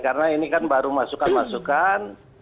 karena ini kan baru masukan masukan